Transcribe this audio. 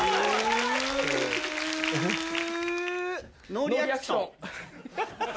ノーリアクション。